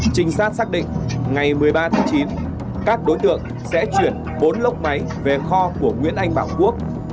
trinh sát xác định ngày một mươi ba tháng chín các đối tượng sẽ chuyển bốn lốc máy về kho của nguyễn anh bảo quốc